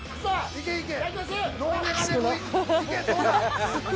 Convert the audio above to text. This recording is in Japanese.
いけいけ！